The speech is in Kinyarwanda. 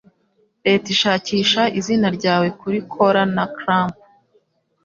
Leta izashakisha izina ryawe kuri cola na clamp